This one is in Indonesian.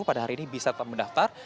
pada hari ini bisa mendaftar